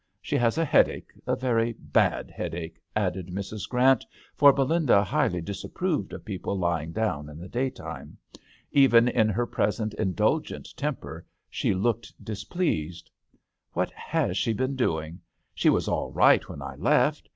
She has a headache — a very bad head ache," added Mrs. Grant, for Belinda highly disapproved of people lying down in the day time. Even in her present indul gent temper she looked displeased, "What has she been doing? She was all right when I left.